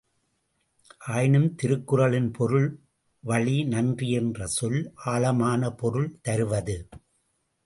ஆயினும், திருக்குறளின் பொருள் வழி நன்றி என்ற சொல் ஆழமான பொருள் தருவது.